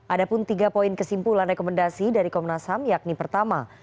ada pun tiga poin kesimpulan rekomendasi dari komnasam yakni pertama